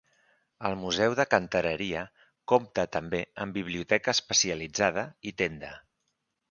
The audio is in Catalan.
El Museu de Cantereria compta també amb biblioteca especialitzada i tenda.